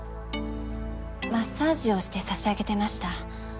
マッサージをしてさしあげてました。